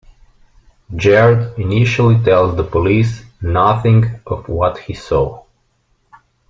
Jared initially tells the police nothing of what he saw.